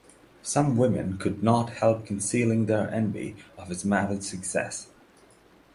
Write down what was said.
Some women could not help concealing their envy of his marriage success.